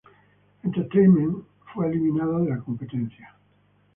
Entertainment y fue eliminada de la competencia.